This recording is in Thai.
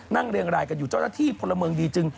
เรียงรายกันอยู่เจ้าหน้าที่พลเมืองดีจึง